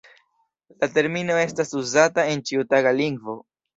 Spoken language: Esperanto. La termino estas uzata en ĉiutaga lingvo.